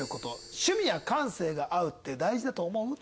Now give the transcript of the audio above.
趣味や感性が合うって大事だと思う？と。